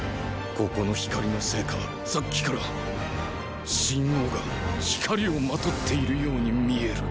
ここの光のせいかさっきから秦王が光をまとっているように見える。